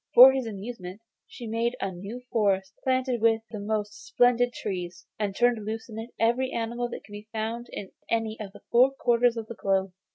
For his amusement she had made a new forest, planted with the most splendid trees, and turned loose in it every animal that could be found in any of the four quarters of the globe.